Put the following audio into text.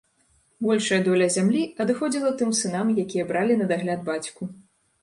Большая доля зямлі адыходзіла тым сынам, якія бралі на дагляд бацьку.